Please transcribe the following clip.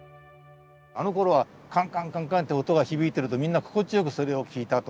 あのころはカンカンカンカンって音が響いてるとみんな心地よくそれを聞いたと。